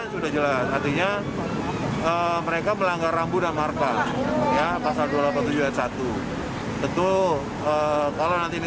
sudah jelas artinya mereka melanggar rambu dan harta ya pasal dua ratus delapan puluh tujuh ayat satu betul kalau nanti ini